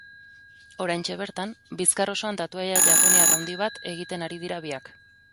Oraintxe bertan, bizkar osoan tatuaia japoniar handi bat egiten ari dira biak.